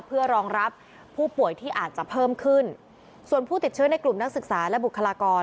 เพื่อรองรับผู้ป่วยที่อาจจะเพิ่มขึ้นส่วนผู้ติดเชื้อในกลุ่มนักศึกษาและบุคลากร